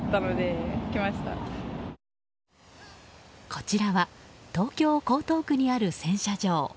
こちらは東京・江東区にある洗車場。